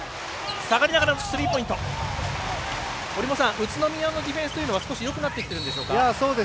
宇都宮のディフェンスというのは少しよくなってきてるんでしょうか？